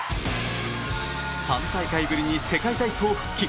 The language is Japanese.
３大会ぶりに世界体操復帰。